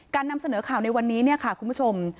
การนำเสนอข่าวในวันนี้คุณผู้ชม